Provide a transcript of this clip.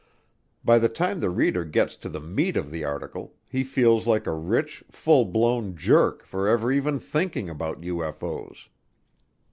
By the time the reader gets to the meat of the article he feels like a rich, full blown jerk for ever even thinking about UFO's.